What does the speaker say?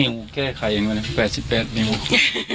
ในโมงแค่ใครอย่างนั้นแปดสิบแปดในโมง